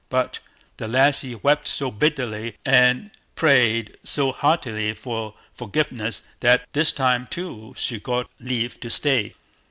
But the lassie wept so bitterly, and prayed so heartily for forgiveness, that this time, too, she got leave to stay.